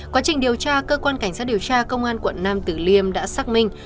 quá trình điều tra cơ quan cảnh sát điều tra công an quận nam tử liêm đã xác minh